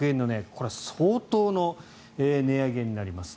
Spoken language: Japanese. これは相当の値上げになります。